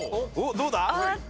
どうだ？